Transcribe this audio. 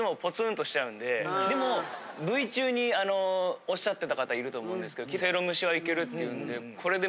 でもＶ中におっしゃってた方いると思うんですけどせいろ蒸しはイケるっていうんで。